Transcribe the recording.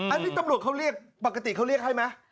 อันนี้ตำรวจเขาเรียกปกติเขาเรียกให้ไหม